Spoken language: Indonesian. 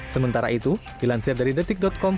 sementara itu dilansir dari the times